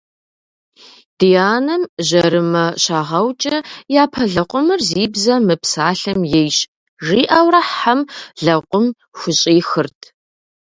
Ди анэм жьэрымэ щагъэукӏэ, «япэ лэкъумыр зи бзэ мыпсалъэм ейщ» жиӏэурэ хьэм лэкъум хущӏихырт.